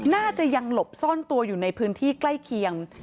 น่าจะยังหลบซ่อนตัวอยู่ในพื้นที่ใกล้เคียง